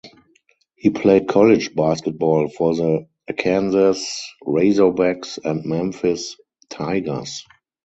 He played college basketball for the Arkansas Razorbacks and Memphis Tigers.